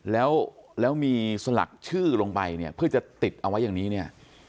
แล้วมีสลักชื่อลงไปเนี่ยเพื่อจะติดเอาไว้อย่างนี้เนี่ย